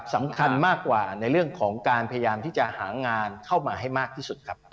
สำคัญมากกว่าในเรื่องของการพยายามที่จะหางานเข้ามาให้มากที่สุดครับ